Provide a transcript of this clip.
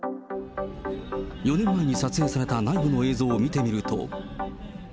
４年前に撮影された内部の映像を見てみると。